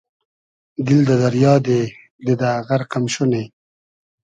دیل دۂ دئریا دې دیدۂ غئرق ام شونی